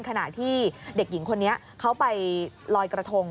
ขณะที่เด็กหญิงคนนี้เขาไปลอยกระทง